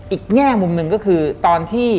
อีกแง่มุมนึงก็คือตอนที่